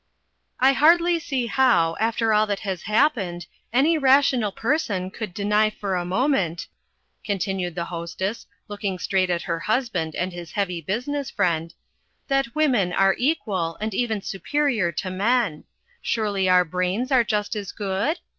"I hardly see how, after all that has happened, any rational person could deny for a moment," continued the Hostess, looking straight at her husband and his Heavy Business Friend, "that women are equal and even superior to men. Surely our brains are just as good?"